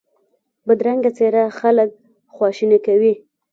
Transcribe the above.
بدرنګه څېره خلک خواشیني کوي